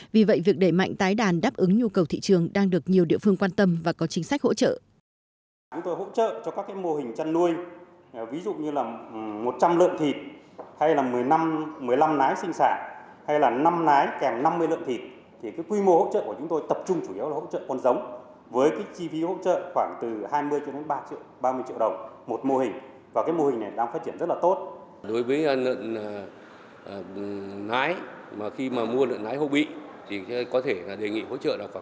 vì vậy việc đẩy mạnh tái đàn đáp ứng nhu cầu thị trường đang được nhiều địa phương quan tâm và có chính sách hỗ trợ